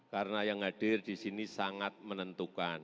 karena yang hadir disini sangat menentukan